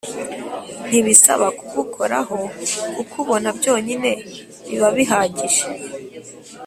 ntibisaba kugukoraho kukubona byonyine bibabihagije